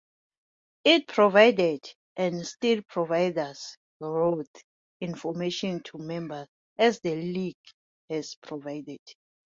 It provided-and still provides-route information to members, as the League had provided.